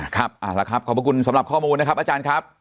ครับเอาละครับขอบพระคุณสำหรับข้อมูลนะครับอาจารย์ครับ